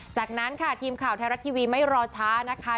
จากนั้นค่ะทีมข่าวไทยรัฐทีวีไม่รอช้านะคะ